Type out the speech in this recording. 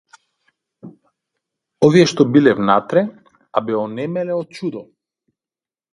Овие што биле внатре, а бе онемеле од чудо.